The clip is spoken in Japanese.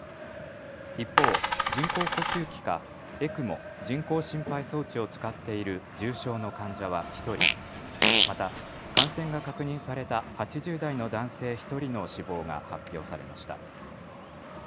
一方、人工呼吸器かＥＣＭＯ・人工心肺装置を使っている重症の患者は１人、また感染が確認された８０代の男性１人の死亡が発表されました。